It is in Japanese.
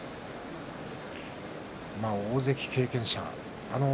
大関経験者。